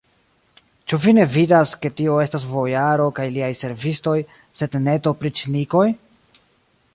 Ĉu vi ne vidas, ke tio estas bojaro kaj liaj servistoj, sed ne opriĉnikoj?